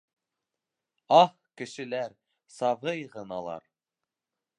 Аһ, кешеләр, сабый ғыналар.